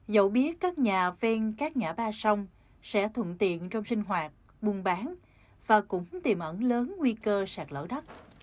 dẫu biết các nhà ven các ngã ba sông sẽ thuận tiện trong sinh hoạt buôn bán và cũng tìm ẩn lớn nguy cơ sạch lỡ đắt